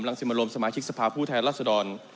หลังเมื่อสมาชิกสภาผู้ไทยรัฐสดร